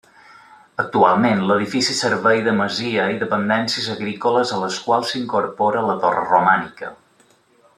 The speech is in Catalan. Actualment l'edifici serveix de masia i dependències agrícoles a les quals s'incorpora la torre romànica.